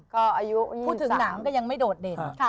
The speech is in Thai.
พูดถึงหนังก็ยังไม่โดดเด่น